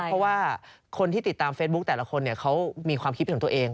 เพราะว่าคนที่ติดตามเฟซบุ๊คแต่ละคนเขามีความคิดเป็นของตัวเอง